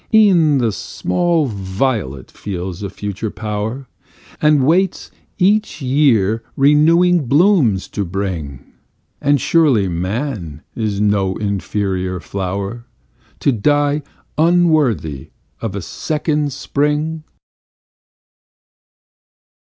E'en the small violet feels a future power And waits each year renewing blooms to bring, And surely man is no inferior flower To die unworthy of a second spring?